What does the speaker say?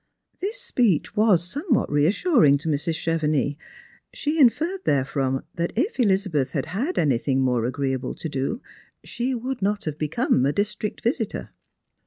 This speech was somewhat reassuring to Mrs. Chevenix : she inferred therefrom that if Elizabeth had had anything more agreeable to do, she would not have become a district visitor.